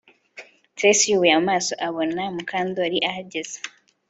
Trix yubuye amaso abona Mukandoli ahagaze